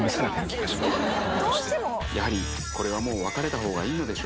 「やはりこれはもう別れた方がいいのでしょうか」